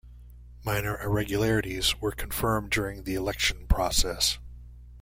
Minor irregularities were confirmed during the election process.